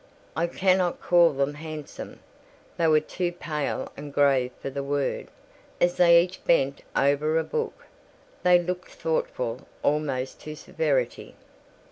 I cannot call them handsome—they were too pale and grave for the word: as they each bent over a book, they looked thoughtful almost to severity.